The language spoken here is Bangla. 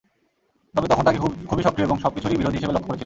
তবে তখন তাঁকে খুবই সক্রিয় এবং সবকিছুরই বিরোধী হিসেবে লক্ষ করেছিলাম।